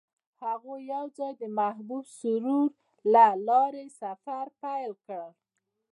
هغوی یوځای د محبوب سرود له لارې سفر پیل کړ.